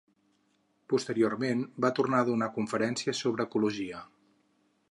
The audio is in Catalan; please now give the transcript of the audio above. Posteriorment va tornar a donar conferències sobre ecologia.